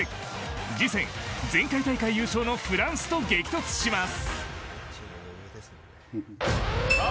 次戦、前回大会優勝のフランスと激突します。